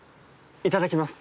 いただきます。